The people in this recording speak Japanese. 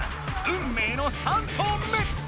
運命の３投目！